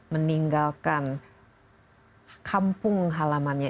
meninggalkan kampung halamannya